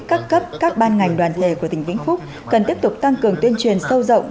các cấp các ban ngành đoàn thể của tỉnh vĩnh phúc cần tiếp tục tăng cường tuyên truyền sâu rộng